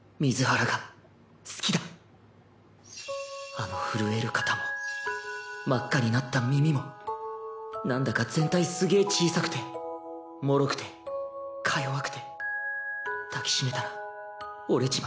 あの震える肩も真っ赤になった耳もなんだか全体すげぇ小さくてもろくてか弱くてなぁ！